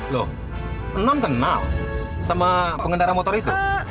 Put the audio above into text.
loh non kenal sama pengendara motor itu